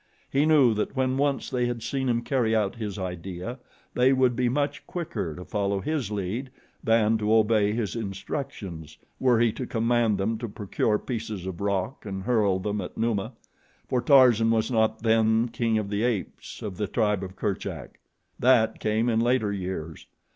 He knew that when once they had seen him carry out his idea they would be much quicker to follow his lead than to obey his instructions, were he to command them to procure pieces of rock and hurl them at Numa, for Tarzan was not then king of the apes of the tribe of Kerchak. That came in later years.